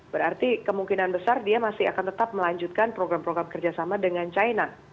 berarti kemungkinan besar dia masih akan tetap melanjutkan program program kerjasama dengan china